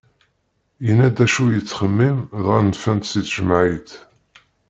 Yenna-d acu yettxemmim dɣa nfan-t si tejmaɛit.